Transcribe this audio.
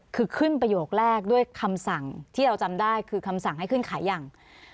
คือขึ้นประโยคแรกด้วยคำสั่งที่เราจำได้คือคำสั่งให้ขึ้นขายอย่าง